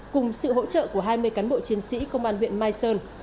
cùng sự hỗ trợ của hai mươi cán bộ chiến sĩ công an huyện mai sơn